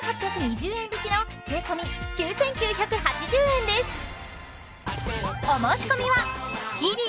円引きの税込９９８０円です